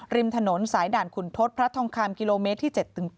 ริมถนนสายด่านขุนทศพระทองคำกิโลเมตรที่๗๘